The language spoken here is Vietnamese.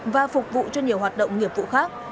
và phục vụ cho nhiều hoạt động nghiệp vụ khác